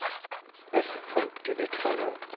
Es folgte die Trennung.